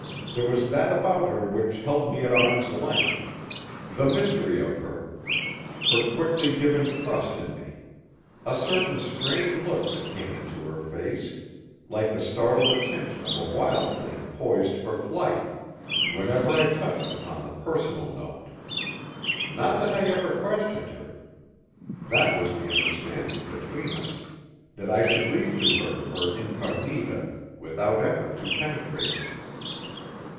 There was that about her which held me at arms' length: the mystery of her, her quickly given trust in me, a certain strained look that came into her face, like the startled attention of a wild thing poised for flight, whenever I touched upon the personal note. Not that I ever questioned her. That was the understanding between us: that I should leave to her her incognita without effort to penetrate it.